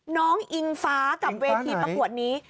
อิงฟ้ากับเวทีประกวดนี้